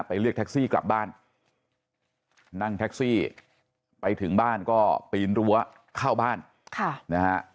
เรียกแท็กซี่กลับบ้านนั่งแท็กซี่ไปถึงบ้านก็ปีนรั้วเข้าบ้านค่ะนะฮะ